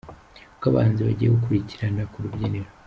Uko abahanzi bagiye gukurikirana ku rubyiniro:.